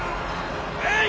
えい！